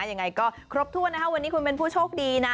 ยังไงก็ครบถ้วนนะคะวันนี้คุณเป็นผู้โชคดีนะ